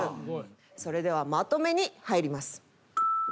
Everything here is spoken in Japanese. それではまとめに入ります。